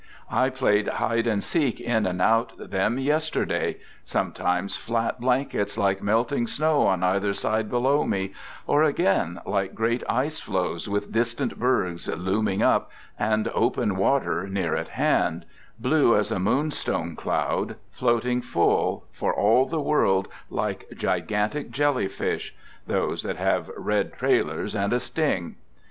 I played hide and seek in and out them yesterday; sometimes flat blankets like melting snow on either side below me, or again, like great ice floes with distant bergs looming up, and " open water " near at hand, blue as a moonstone cloud, floating full, for all the world like gigantic jelly fish (those that have red trailers and a sting).